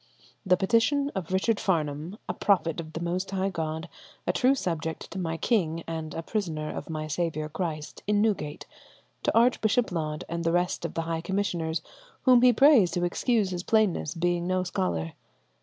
"The petition of Richard Farnham, a prophet of the most high God, a true subject to my king, and a prisoner of my saviour Christ, in Newgate, to Archbishop Laud and the rest of the high commissioners, whom he prays to excuse his plainness, being no scholar.